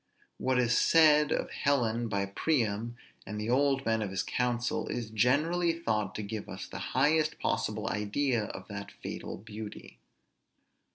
What is said of Helen by Priam and the old men of his council, is generally thought to give us the highest possible idea of that fatal beauty.